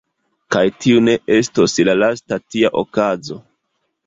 Kaj tiu ne estos la lasta tia okazo.